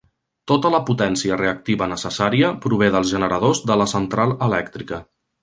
Tota la potència reactiva necessària prové dels generadors de la central elèctrica.